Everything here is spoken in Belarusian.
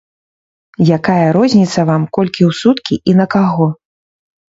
Якая розніца вам, колькі ў суткі і на каго?